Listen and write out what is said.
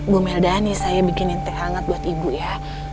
bu melda nih saya bikinin teh hangat buat ibu ya